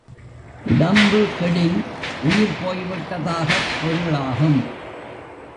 உடம்பு கெடின் உயிர் போய் விட்ட தாகப் பொருளாகும்.